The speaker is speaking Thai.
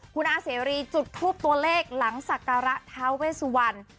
คุณอาเสรีจุดทูปตัวเลขหลังศักระท้าเวสวัน